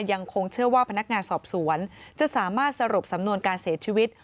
ยังคงเชื่อว่าพนักงานสอบสวนจะสามารถสรุปสำนวนการเสียชีวิต